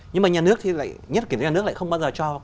nhưng mà nhà nước lại không bao giờ cho